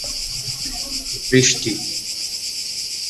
অপত্য লালন-পালনে পুরুষদের কোনও ভূমিকা নেই।